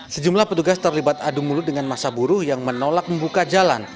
sejumlah petugas terlibat adu mulut dengan masa buruh yang menolak membuka jalan